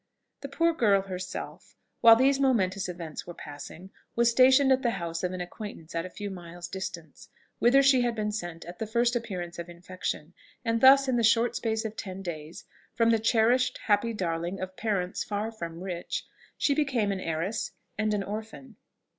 The poor girl herself, while these momentous events were passing, was stationed at the house of an acquaintance at a few miles' distance, whither she had been sent at the first appearance of infection; and thus in the short space of ten days, from the cherished, happy darling of parents far from rich, she became an heiress and an orphan.